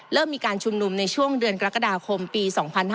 มีการชุมนุมในช่วงเดือนกรกฎาคมปี๒๕๕๙